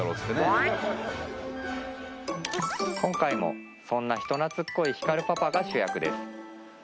今回もそんな人懐っこいヒカルパパが主役です